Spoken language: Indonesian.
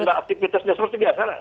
karena juga aktivitasnya seperti biasa